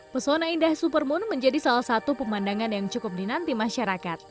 pesona indah supermoon menjadi salah satu pemandangan yang cukup dinanti masyarakat